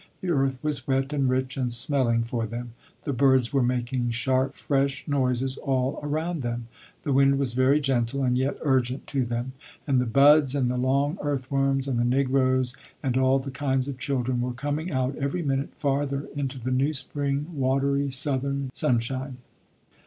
The earth was wet and rich and smelling for them. The birds were making sharp fresh noises all around them. The wind was very gentle and yet urgent to them. And the buds and the long earthworms, and the negroes, and all the kinds of children, were coming out every minute farther into the new spring, watery, southern sunshine.